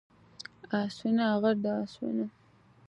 აასვენა, აღარ დაასვენა.